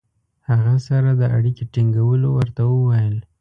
هغه سره د اړیکې ټینګولو ورته وویل.